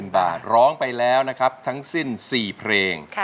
๐บาทร้องไปแล้วนะครับทั้งสิ้น๔เพลง